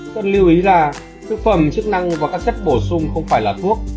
cần lưu ý là thức phẩm chức năng và các chất bổ sung không phải là thuốc